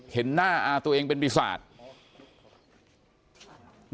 เห็นหน้าอาตัวเองเป็นปีศาจ